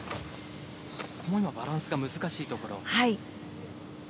バランスが難しいところ。